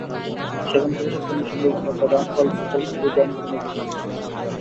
সেখান থেকে শিক্ষা নিয়ে সুন্দরবন রক্ষায় রামপাল প্রকল্পবিরোধী আন্দোলন এগিয়ে নিতে হবে।